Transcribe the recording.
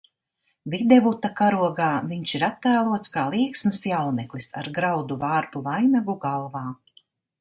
Videvuta karogā viņš ir attēlots kā līksms jauneklis ar graudu vārpu vainagu galvā.